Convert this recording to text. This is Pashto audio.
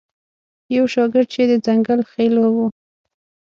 یو شاګرد چې د ځنګل خیلو و.